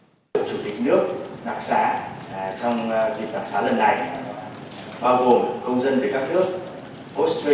ngoại trưởng bộ ngoại giao hà kim ngọc cho biết trong số các phạm nhân được đặc xá lần này có một mươi sáu phạm nhân người nước ngoài được đặc xá